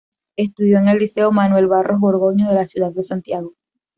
Estudió en el Liceo Manuel Barros Borgoño de la ciudad de Santiago.